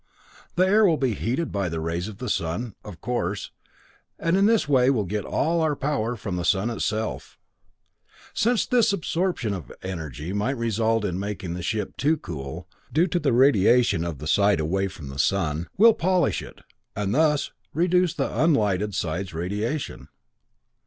The air will be heated by the rays of the sun, of course, and in this way we'll get all our power from the sun itself. "Since this absorption of energy might result in making the ship too cool, due to the radiation of the side away from the sun, we'll polish it, and thus reduce the unlighted side's radiation.